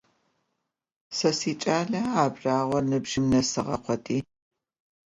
Сэ сикӏалэ абрагъуэ ныбжьым нэсыгъэ къодый.